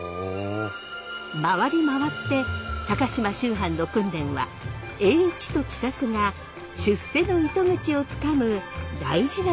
回り回って高島秋帆の訓練は栄一と喜作が出世の糸口をつかむ大事なイベントとなったのです。